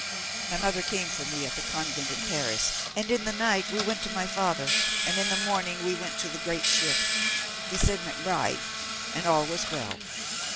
My mother came for me at the convent in Paris, and in the night we went to my father, and in the morning we went to the great ship. We said McBride, and all was well.